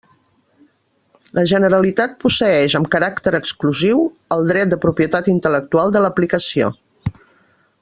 La Generalitat posseïx, amb caràcter exclusiu, el dret de propietat intel·lectual de l'aplicació.